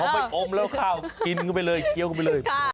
เอาไปอมแล้วข้าวกินกันไปเลยเกี้ยวกันไปเลย